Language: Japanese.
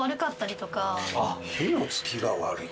火のつきが悪い？